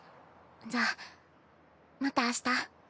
じゃあまた明日。